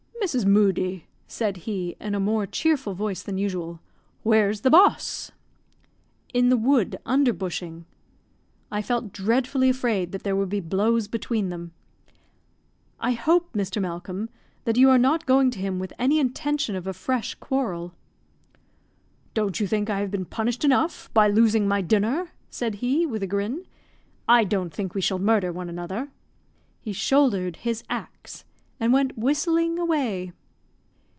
"Mrs. Moodie," said he, in a more cheerful voice than usual, "where's the boss?" "In the wood, under bushing." I felt dreadfully afraid that there would be blows between them. "I hope, Mr. Malcolm, that you are not going to him with any intention of a fresh quarrel." "Don't you think I have been punished enough by losing my dinner?" said he, with a grin. "I don't think we shall murder one another." He shouldered his axe, and went whistling away.